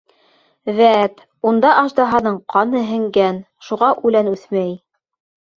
Вәт, унда аждаһаның ҡаны һеңгән, шуға үлән үҫмәй.